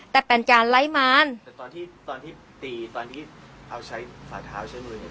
แต่เป็นการไล่มารแต่ตอนที่ตอนที่ตีตอนที่เขาใช้ฝาเท้าใช้มือเนี่ย